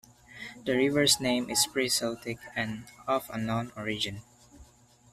The river's name is pre-Celtic and of unknown origin.